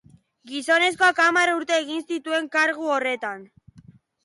Gizonezkoak hamar urte egin zituen kargu horretan.